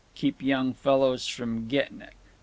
Keep young fellows from getting it!